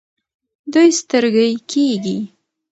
دوی سترګۍ کیږي.